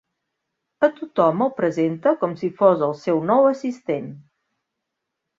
A tothom el presenta com si fos el seu nou assistent.